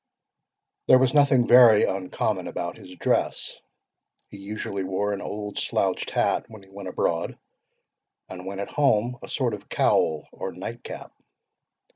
"There was nothing very uncommon about his dress. He usually wore an old slouched hat when he went abroad; and when at home, a sort of cowl or night cap.